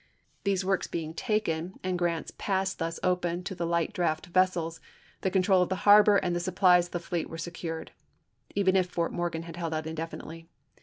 These works being taken, and Grant's pass thus opened to the light draft vessels, the control of the harbor and the supplies of the fleet were secured, even if Fort Morgan had held out indefinitely.